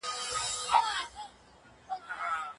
هلک په ډېرې خوښۍ سره کوټې ته ننوت.